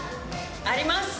あります！